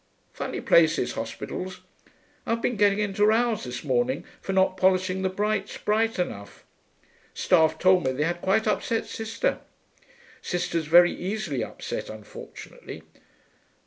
Funny places, hospitals.... I've been getting into rows this morning for not polishing the brights bright enough. Staff told me they had quite upset Sister. Sister's very easily upset, unfortunately.